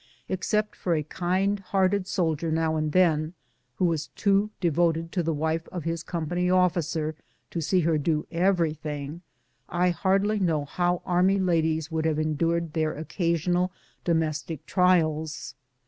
Except for a kind hearted soldier now and then, who was too devoted to the wife of his company officer to see her do everything, I hardly know how army ladies would have endured their occasional domestic trials.